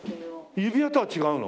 指輪とは違うの？